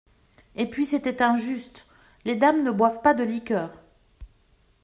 Et puis c’était injuste… les dames ne boivent pas de liqueurs…